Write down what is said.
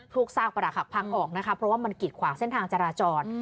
กซากประหลักหักพังออกนะคะเพราะว่ามันกิดขวางเส้นทางจราจร